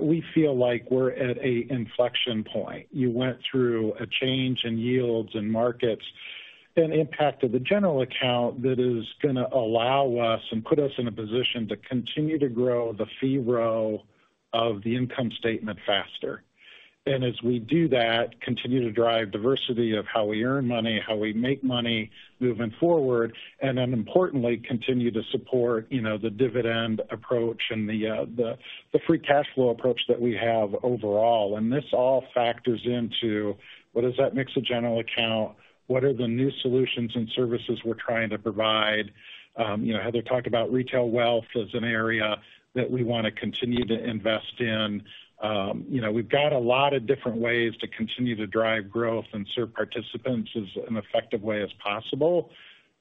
we feel like we're at a inflection point. You went through a change in yields and markets, an impact of the general account that is going to allow us and put us in a position to continue to grow the fee row of the income statement faster. And as we do that, continue to drive diversity of how we earn money, how we make money moving forward, and then importantly, continue to support, you know, the dividend approach and the free cash flow approach that we have overall. And this all factors into what is that mix of general account? What are the new solutions and services we're trying to provide? You know, Heather talked about retail Wealth as an area that we want to continue to invest in. You know, we've got a lot of different ways to continue to drive growth and serve participants as an effective way as possible.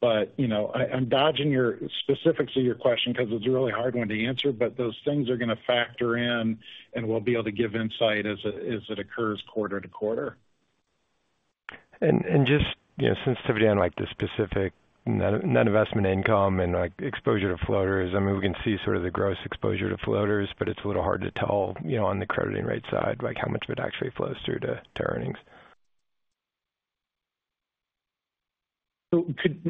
But, you know, I'm dodging your specifics of your question because it's a really hard one to answer, but those things are going to factor in, and we'll be able to give insight as it occurs quarter to quarter. Just, you know, sensitivity on, like, the specific net investment income and, like, exposure to floaters. I mean, we can see sort of the gross exposure to floaters, but it's a little hard to tell, you know, on the crediting rate side, like, how much of it actually flows through to earnings.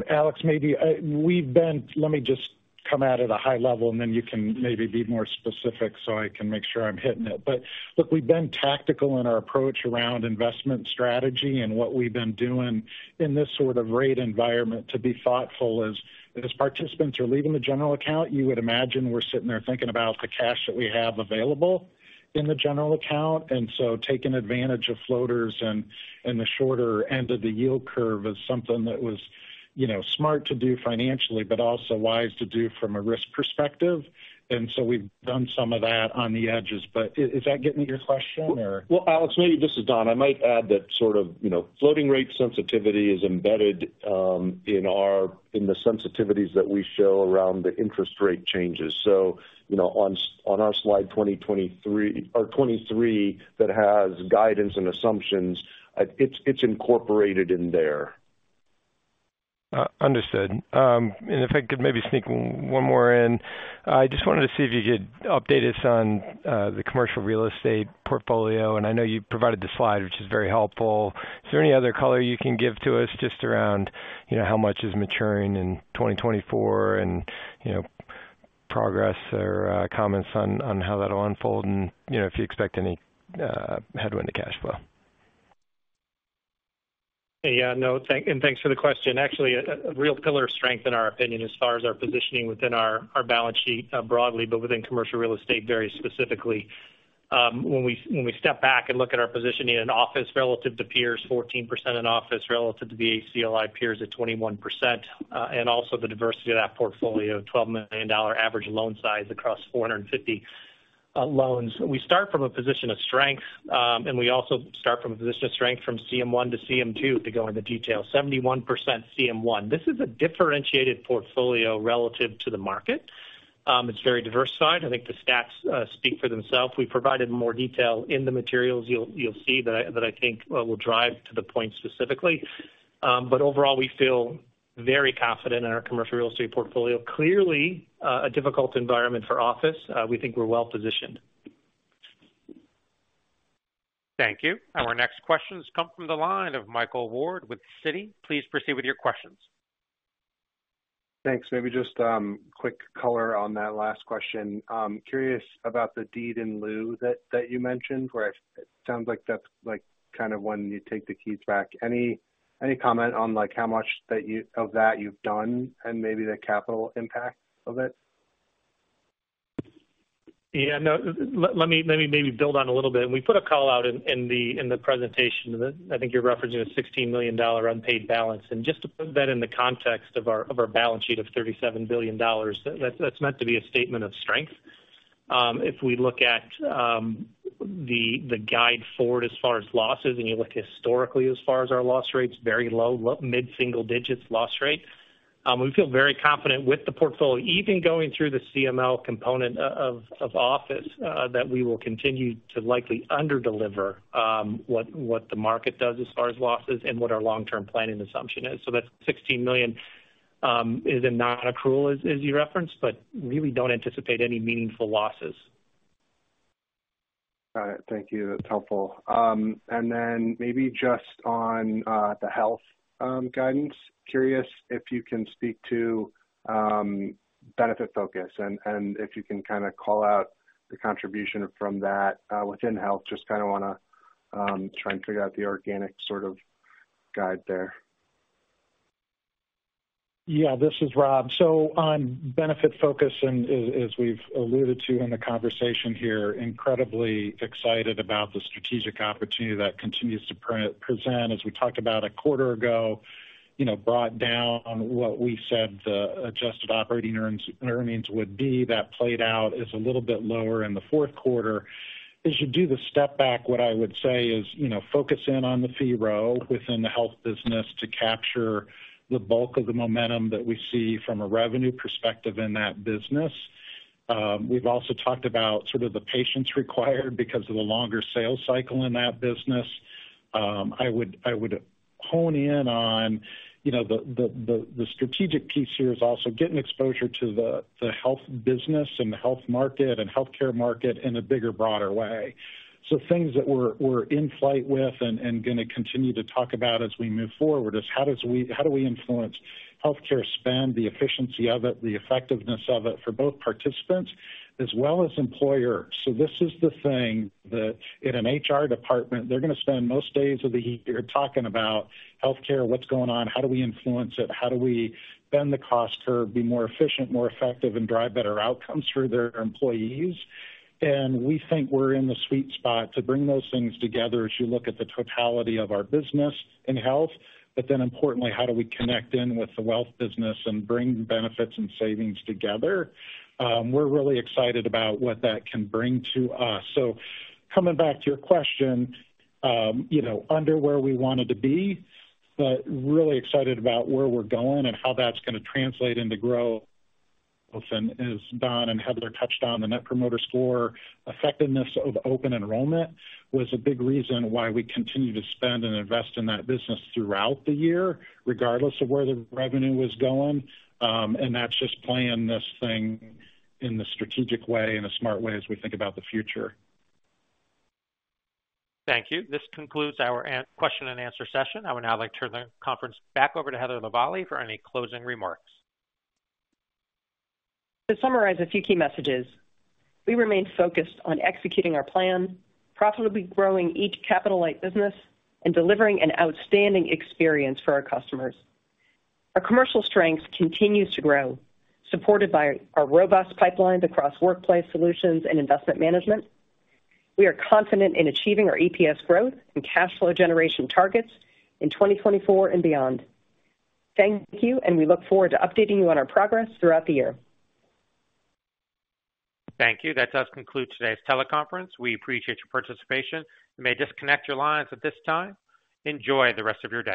Alex, maybe we've been, let me just come at it a high level, and then you can maybe be more specific so I can make sure I'm hitting it. But look, we've been tactical in our approach around investment strategy and what we've been doing in this sort of rate environment to be thoughtful as participants are leaving the general account. You would imagine we're sitting there thinking about the cash that we have available in the general account. And so taking advantage of floaters and the shorter end of the yield curve is something that was, you know, smart to do financially, but also wise to do from a risk perspective. And so we've done some of that on the edges. But is that getting at your question or? Well, Alex, maybe this is Don. I might add that sort of, you know, floating rate sensitivity is embedded in our sensitivities that we show around the interest rate changes. So, you know, on our slide 2023 or 23, that has guidance and assumptions. It's incorporated in there. Understood. And if I could maybe sneak one more in. I just wanted to see if you could update us on the commercial real estate portfolio. And I know you provided the slide, which is very helpful. Is there any other color you can give to us just around, you know, how much is maturing in 2024 and, you know, progress or comments on how that'll unfold and, you know, if you expect any headwind to cash flow? Thanks for the question. Actually, a real pillar of strength in our opinion, as far as our positioning within our balance sheet, broadly, but within commercial real estate very specifically. When we step back and look at our positioning in office relative to peers, 14% in office, relative to the ACLI, peers at 21%. And also the diversity of that portfolio, $12 million average loan size across 450 loans. We start from a position of strength, and we also start from a position of strength from CM1 to CM2, to go into detail. 71% CM1. This is a differentiated portfolio relative to the market. It's very diversified. I think the stats speak for themselves. We provided more detail in the materials you'll see that I think we'll drive to the point specifically. But overall, we feel very confident in our commercial real estate portfolio. Clearly, a difficult environment for office. We think we're well-positioned. Thank you. Our next questions come from the line of Michael Ward with Citi. Please proceed with your questions. Thanks. Maybe just quick color on that last question. Curious about the deed in lieu that, that you mentioned, where it sounds like that's like kind of when you take the keys back. Any, any comment on, like, how much of that you've done and maybe the capital impact of it? Yeah, no. Let me maybe build on a little bit. We put a call out in the presentation. I think you're referencing a $16 million unpaid balance. And just to put that in the context of our balance sheet of $37 billion, that's meant to be a statement of strength. If we look at the guide forward as far as losses, and you look historically as far as our loss rates, very low, mid-single digits loss rate. We feel very confident with the portfolio, even going through the CML component of office, that we will continue to likely underdeliver what the market does as far as losses and what our long-term planning assumption is. That $16 million is a non-accrual, as you referenced, but really don't anticipate any meaningful losses. Got it. Thank you. That's helpful. And then maybe just on the Health guidance. Curious if you can speak to Benefitfocus and if you can kind of call out the contribution from that within Health. Just kind of wanna try and figure out the organic sort of guide there. Yeah, this is Rob. So on Benefitfocus, and as we've alluded to in the conversation here, incredibly excited about the strategic opportunity that continues to present. As we talked about a quarter ago, you know, brought down what we said the adjusted operating earnings would be. That played out is a little bit lower in the fourth quarter. As you do the step back, what I would say is, you know, focus in on the fee row within the Health business to capture the bulk of the momentum that we see from a revenue perspective in that business. We've also talked about sort of the patience required because of the longer sales cycle in that business. I would hone in on, you know, the strategic piece here is also getting exposure to the Health business and the Health market and healthcare market in a bigger, broader way. So things that we're in flight with and gonna continue to talk about as we move forward is how do we influence healthcare spend, the efficiency of it, the effectiveness of it for both participants as well as employers? So this is the thing that in an HR department, they're gonna spend most days of the year talking about healthcare, what's going on, how do we influence it, how do we bend the cost curve, be more efficient, more effective, and drive better outcomes for their employees? We think we're in the sweet spot to bring those things together as you look at the totality of our business in Health. But then importantly, how do we connect in with the Wealth business and bring benefits and savings together? We're really excited about what that can bring to us. Coming back to your question, you know, under where we wanted to be, but really excited about where we're going and how that's gonna translate into growth. As Don and Heather touched on, the Net Promoter Score, effectiveness of open enrollment was a big reason why we continue to spend and invest in that business throughout the year, regardless of where the revenue was going. And that's just playing this thing in the strategic way and a smart way as we think about the future. Thank you. This concludes our question and answer session. I would now like to turn the conference back over to Heather Lavallee for any closing remarks. To summarize a few key messages, we remain focused on executing our plan, profitably growing each capital-light business, and delivering an outstanding experience for our customers. Our commercial strength continues to grow, supported by our robust pipelines across workplace solutions and investment management. We are confident in achieving our EPS growth and cash flow generation targets in 2024 and beyond. Thank you, and we look forward to updating you on our progress throughout the year. Thank you. That does conclude today's teleconference. We appreciate your participation. You may disconnect your lines at this time. Enjoy the rest of your day.